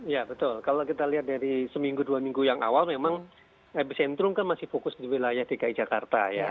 ya betul kalau kita lihat dari seminggu dua minggu yang awal memang epicentrum kan masih fokus di wilayah dki jakarta ya